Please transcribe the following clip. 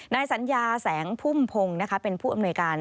นายสัญญาแสงพุ่มพงศ์เป็นผู้อำนวยการ